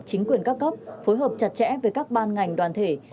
chính quyền các cấp phối hợp chặt chẽ với các ban ngành đoàn thể